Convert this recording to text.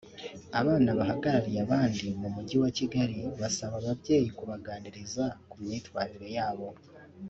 Abana bahagarariye abandi mu Mujyi wa Kigali basaba ababyeyi kubaganiriza ku myitwarire yabo